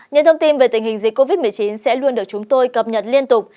những thông tin về tình hình dịch covid một mươi chín sẽ luôn được chúng tôi cập nhật liên tục